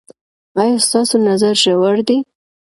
ایا ستاسو نظر ژور دی؟